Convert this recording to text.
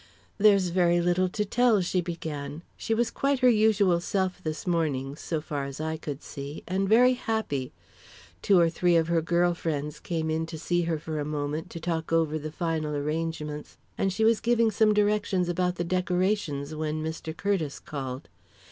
"There's very little to tell," she began. "She was quite her usual self this morning, so far as I could see, and very happy. Two or three of her girl friends came in to see her for a moment, to talk over the final arrangements, and she was giving some directions about the decorations when Mr. Curtiss called.